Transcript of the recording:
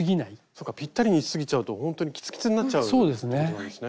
そうかぴったりにしすぎちゃうとほんとにきつきつになっちゃうっていうことなんですね。